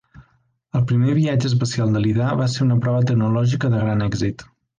El primer viatge espacial de Lidar va ser una prova tecnològica de gran èxit.